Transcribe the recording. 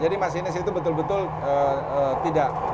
jadi masinis itu betul betul tidak